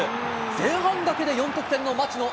前半だけで４得点の町野。